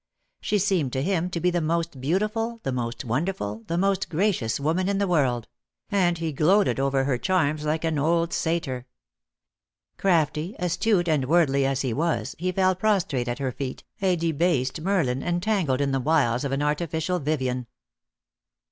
She seemed to him to be the most beautiful, the most wonderful, the most gracious woman in the world; and he gloated over her charms like an old satyr. Crafty, astute and worldly as he was, he fell prostrate at her feet, a debased Merlin entangled in the wiles of an artificial Vivien.